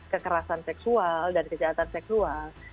kekerasan seksual dan kejahatan seksual